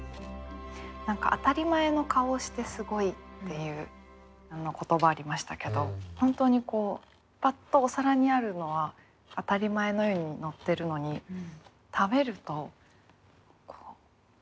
何か「あたり前の顔をしてすごい」っていう言葉ありましたけど本当にパッとお皿にあるのは当たり前のようにのってるのに食べるとグッとすごみを感じる。